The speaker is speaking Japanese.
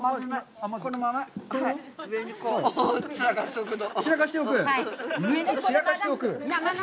上に散らかしておく！？